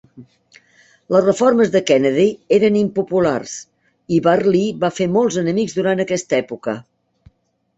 Les reformes de Kennedy eren impopulars i Barlee va fer molts enemics durant aquesta època.